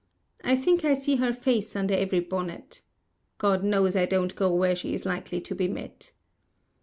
I think I see her face under every bonnet. God knows I don't go where she is likely to be met.